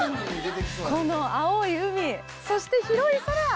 この青い海、そして広い空。